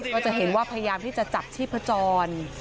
ก็จะเห็นว่าพยายามที่จะจับชีพจร